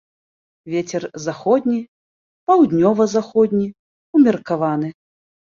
Вецер заходні, паўднёва-заходні ўмеркаваны.